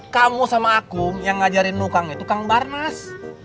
kamu sama aku yang ngajarin lu kang itu kang barnas